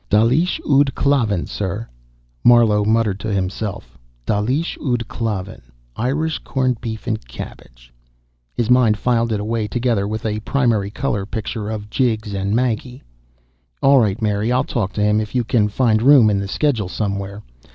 "Dalish ud Klavan, sir." Marlowe muttered to himself: "Dalish ud Klavan, Irish, corn beef and cabbage." His mind filed it away together with a primary color picture of Jiggs and Maggie. "All right, Mary, I'll talk to him, if you can find room in the schedule somewhere.